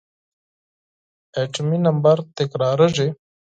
اتومي نمبر تکرارېږي.